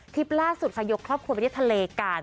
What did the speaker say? ทริปล่าสุดค่ะยกครอบครัวไปที่ทะเลก่าน